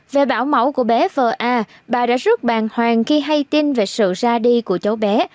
về bảo mẫu của bé vợ a bà đã rước bàn hoàng khi hay tin về sự ra đi của châu bé